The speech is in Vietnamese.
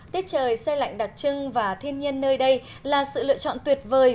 tiết trời xe lạnh đặc trưng và thiên nhiên nơi đây là sự lựa chọn tuyệt vời